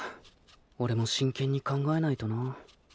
俺も真剣に考えないとな